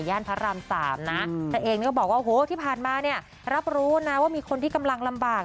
ย่านพระราม๓นะแต่เองก็บอกว่าที่ผ่านมารับรู้นะว่ามีคนที่กำลังลำบาก